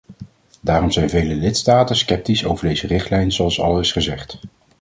Daarom zijn vele lidstaten sceptisch over deze richtlijn, zoals al is gezegd.